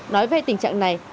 nói về tình trạng này